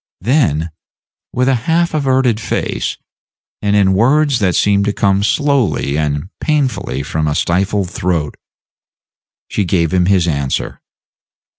Then, with a half averted face, and in words that seemed to come slowly and painfully from a stifled throat, she gave him his answer.